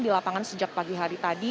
di lapangan sejak pagi hari tadi